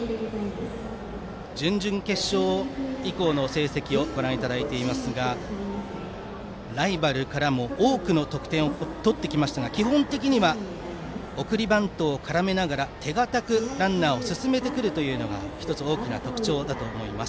準々決勝以降の成績をご覧いただいていますがライバルからも多くの得点を取ってきましたが基本的には送りバントを絡めながら手堅くランナーを進めてくるというのが大きな特徴だと思います。